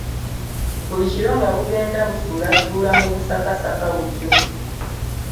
Buli kiro nga bugenda busulaasula mu busakasaka butyo.